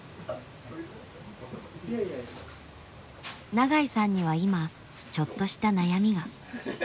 長井さんには今ちょっとした悩みが。